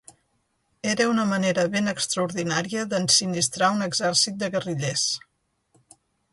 Era una manera ben extraordinària d'ensinistrar un exèrcit de guerrillers.